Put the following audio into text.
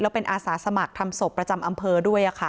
เป็นอาสาสมัครทำศพประจำอำเภอด้วย